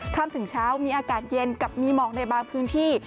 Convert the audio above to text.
ค่ำถึงเช้ามีอากาศเย็นกับมีหมอกในบางพื้นที่